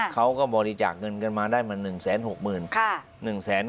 เขาก็บริจาคเงินกันมาได้มา๑๖๐๐๐บาท